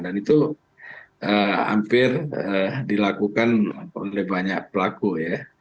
dan itu hampir dilakukan oleh banyak pelaku ya